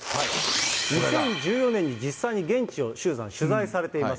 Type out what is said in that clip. ２０１４年に実際に現地を、周さん、取材されています。